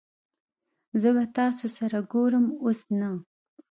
زه به تاسو سره ګورم اوس نه